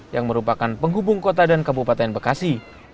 yang merupakan penghubung kota dan kabupaten bekasi